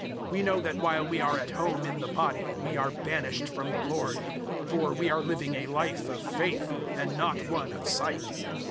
We know that while we are at home in the body we are banished from the Lord; 005:007 for we are living a life of faith, and not one of sight.